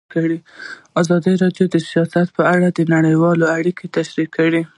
ازادي راډیو د سیاست په اړه نړیوالې اړیکې تشریح کړي.